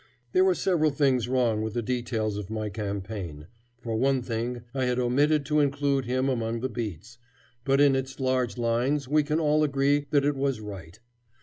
There were several things wrong with the details of my campaign, for one thing, I had omitted to include him among the beats, but in its large lines we can all agree that it was right.